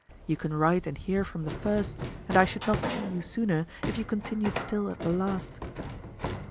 You can write and hear from the first, and I should not see you sooner if you continued still at the last.